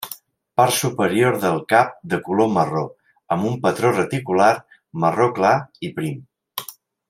Part superior del cap de color marró amb un patró reticular marró clar i prim.